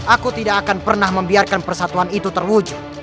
aku tidak akan pernah membiarkan persatuan itu terwujud